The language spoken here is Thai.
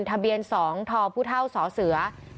ทะเบียน๒ทภูเท่าสเส๒๘๑๖